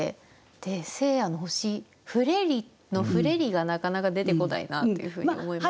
「聖夜の星降れり」の「降れり」がなかなか出てこないなっていうふうに思いました。